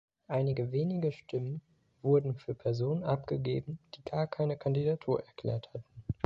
Einige wenige Stimmen wurden für Personen abgegeben, die gar keine Kandidatur erklärt hatten.